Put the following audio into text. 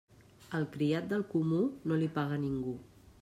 Al criat del comú no li paga ningú.